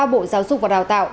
bộ giáo dục và đào tạo